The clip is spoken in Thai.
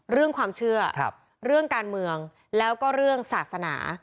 เรื่องความเชื่อเรื่องการเมืองแล้วก็เรื่องศาสนา